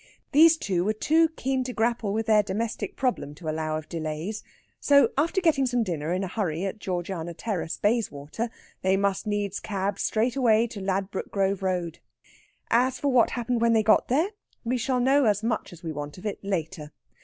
These two were too keen to grapple with their domestic problem to allow of delays. So, after getting some dinner in a hurry at Georgiana Terrace, Bayswater, they must needs cab straight away to Ladbroke Grove Road. As for what happened when they got there, we shall know as much as we want of it later.